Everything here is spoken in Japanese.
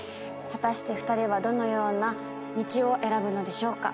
果たして２人はどのような道を選ぶのでしょうか？